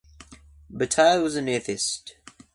Bataille was an atheist.